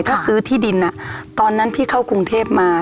ถ้าซื้อที่ดินตอนนั้นพี่เข้ากรุงเทพมา